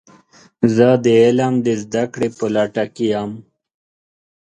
زه د علم د زده کړې په لټه کې یم.